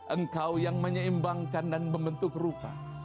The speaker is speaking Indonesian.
engkau yang menyeimbangkan dan membentuk rupa